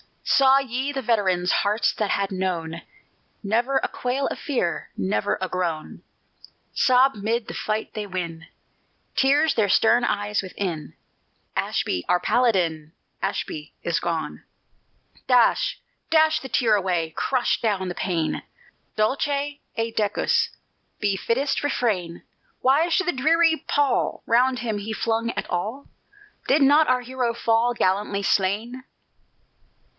_" Saw ye the veterans Hearts that had known Never a quail of fear, Never a groan, Sob 'mid the fight they win, Tears their stern eyes within, "Ashby, our Paladin, Ashby is gone!" Dash dash the tear away, Crush down the pain! "Dulce et decus" be Fittest refrain! Why should the dreary pall Round him be flung at all? Did not our hero fall Gallantly slain?